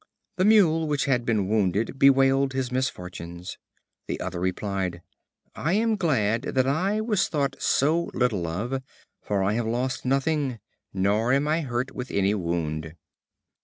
The Mule which had been wounded bewailed his misfortunes. The other replied: "I am glad that I was thought so little of, for I have lost nothing, nor am I hurt with any wound."